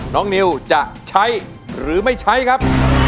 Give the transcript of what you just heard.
นิวจะใช้หรือไม่ใช้ครับ